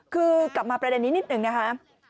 คือกลับมาประเด็นนี้นิดหนึ่งนะคะ